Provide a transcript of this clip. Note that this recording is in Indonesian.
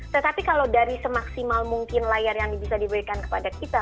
tetapi kalau dari semaksimal mungkin layar yang bisa diberikan kepada kita